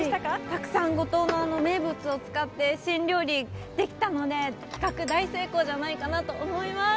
たくさん五島の名物を使って新料理ができたので企画大成功じゃないかなと思います。